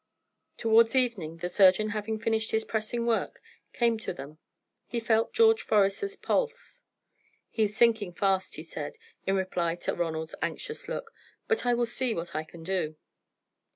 Towards evening, the surgeon, having finished his pressing work, came to them. He felt George Forester's pulse. "He is sinking fast," he said, in reply to Ronald's anxious look. "But I will see what I can do."